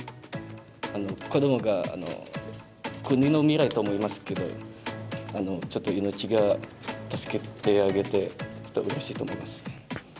子どもが国の未来と思いますけど、ちょっと、命を助けてあげて、うれしいと思いますね。